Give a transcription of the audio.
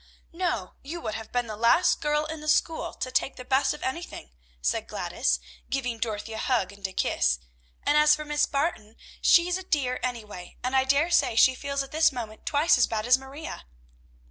"No: you would have been the last girl in the school to take the best of anything," said Gladys, giving Dorothy a hug and a kiss; "and as for Miss Barton, she's a dear, anyway, and I dare say she feels at this moment twice as bad as Maria."